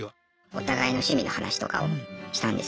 お互いの趣味の話とかをしたんですけど。